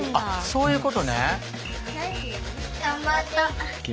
そういうことね。